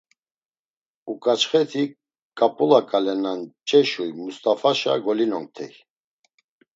Uǩaçxeti ǩap̌ula ǩale na mç̌eşuy Must̆afaşa golinonktey.